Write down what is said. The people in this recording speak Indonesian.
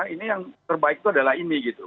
ini yang terbaik itu adalah ini gitu